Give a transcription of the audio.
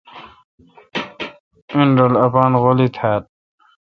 اؙن رل اپان غولی تھال۔